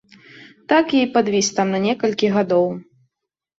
Так я і падвіс там на некалькі гадоў.